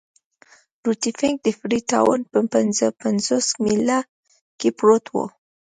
روټي فنک د فري ټاون په پنځه پنځوس میله کې پروت وو.